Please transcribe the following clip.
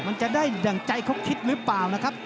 มันจะได้ดั่งใจเขาคิดหรือเปล่านะครับ